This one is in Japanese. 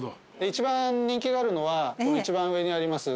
一番人気があるのは一番上にあります